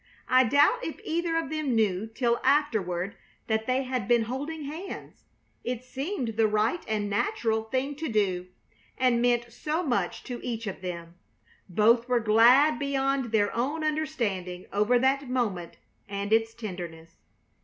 I doubt if either of them knew till afterward that they had been holding hands. It seemed the right and natural thing to do, and meant so much to each of them. Both were glad beyond their own understanding over that moment and its tenderness.